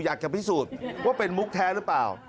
อยากจะพิสูจน์ว่าเป็นมุกแท้หรือเปล่า